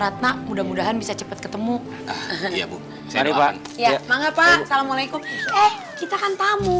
ratna mudah mudahan bisa cepat ketemu iya bu saya iya makasih pak assalamualaikum eh kita kan tamu